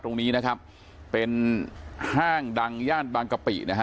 ตรงนี้นะครับเป็นห้างดังย่านบางกะปินะฮะ